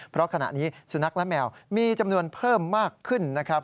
เพราะขณะนี้สุนัขและแมวมีจำนวนเพิ่มมากขึ้นนะครับ